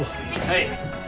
はい。